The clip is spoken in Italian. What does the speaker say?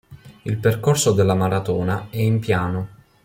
Il percorso della maratona è in piano.